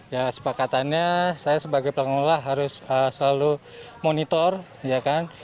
ya sepakatannya saya sebagai pengelola harus selalu monitor ya kan